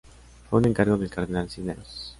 Fue un encargo del cardenal Cisneros.